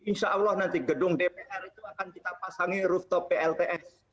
insya allah nanti gedung dpr itu akan kita pasangi rooftop plts